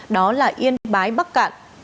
đó là yên bái bắc cạn